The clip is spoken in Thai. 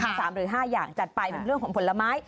๓หรือ๕อย่างจัดไปเรื่องผลไม้